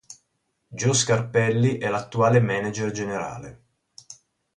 Joe Scarpelli è l'attuale manager generale.